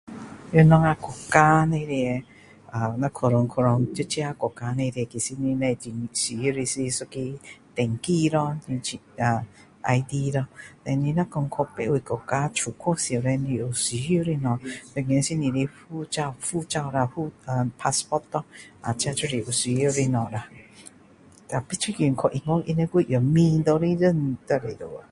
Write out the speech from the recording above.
在我们的国家里面啊 nah 到处去在我们自己国家里面其实你只是最需要的一个就是登记咯啊 ID 咯 Dan 你若说去别位国家出国叻时有需要的东西当然是你的护照护照啊 passport 咯啊这就是有需要的东西咯 tapi 最近去英国他们就是用脸拿来认就可以了 lo